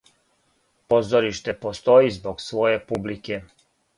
Позориште постоји због своје публике.